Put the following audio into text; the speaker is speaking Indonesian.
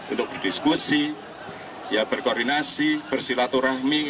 untuk berdiskusi berkoordinasi bersilaturahmi